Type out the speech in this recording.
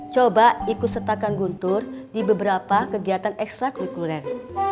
coba ikut sertakan guntur di beberapa kegiatan esakukuler